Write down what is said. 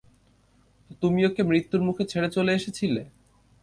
তো তুমি ওকে মৃত্যুর মুখে ছেড়ে চলে এসেছিলে।